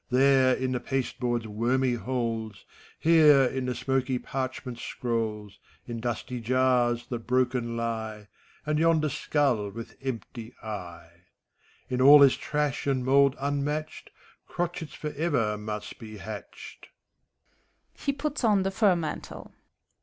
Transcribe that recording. There, in the pasteboard's wormy holes, Here, in the smoky parchment scrolls, In dusty jars, that broken lie. And yonder skull with empty eye. In all this trash and mould unmatched, Crotchets forever must be hatched.